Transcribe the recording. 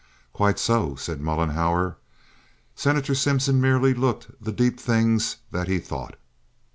"Quite so," said Mollenhauer. Senator Simpson merely looked the deep things that he thought.